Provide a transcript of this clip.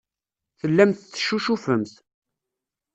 Tellamt teccucufemt.